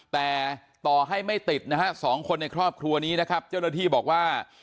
แต่ต่อให้ไม่ติดนะฮะสองคนในครอบครัวนี้นะครับเจ้าหน้าที่บอกว่า